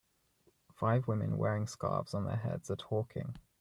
Five women wearing scarves on their heads are talking.